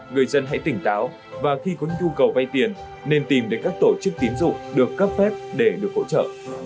người dân hãy tỉnh táo và khi có nhu cầu vay tiền nên tìm đến các tổ chức tín dụng được cấp phép để được hỗ trợ